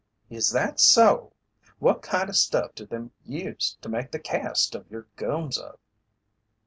"Is that so? What kind of stuff do they use to make the cast of your gooms of?"